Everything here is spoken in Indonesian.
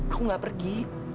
aku gak pergi